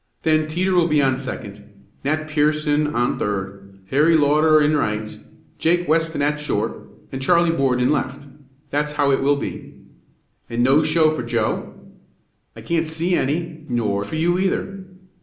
Then Teeter will be on second. Nat Pierson on third, Harry Lauter in right, Jake Weston at short, and Charlie Borden in left. That's how it will be." "And no show for Joe?" "I can't see any, nor for you, either."